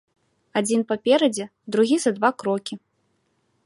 Адзін паперадзе, другі за два крокі.